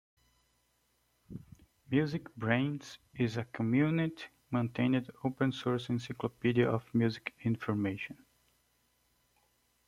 MusicBrainz is a community-maintained open source encyclopedia of music information.